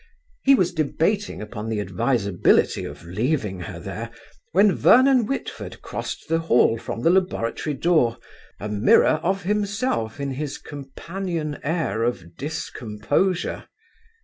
He was debating upon the advisability of leaving her there, when Vernon Whitford crossed the hall from the laboratory door, a mirror of himself in his companion air of discomposure.